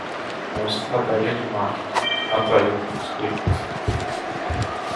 Nossa estratégia de marketing atraiu muitos clientes.